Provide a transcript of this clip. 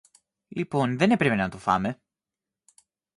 Λοιπόν δεν έπρεπε να το φάμε!